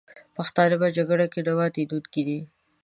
پښتانه په جګړه کې نه ماتېدونکي دي.